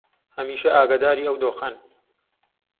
هەمیشە ئاگاداری ئەو دۆخەن